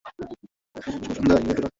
শুভ সন্ধ্যা, Eudora.